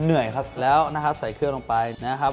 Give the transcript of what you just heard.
เหนื่อยครับแล้วนะครับใส่เครื่องลงไปนะครับ